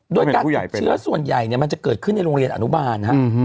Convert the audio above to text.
โดยการติดเชื้อส่วนใหญ่มันจะเกิดขึ้นในโรงเรียนอนุบาล